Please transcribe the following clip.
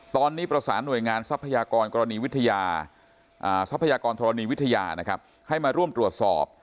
ตอนนี้ประสานหน่วยงานทรัพยากรธรรมนีวิทยาให้มาร่วมตรวจสอบ